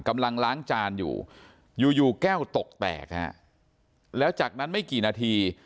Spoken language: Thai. กำลังล้างจานอยู่อยู่แก้วตกแตกฮะแล้วจากนั้นไม่กี่นาที